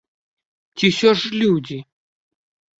Ці ўсё ж людзі?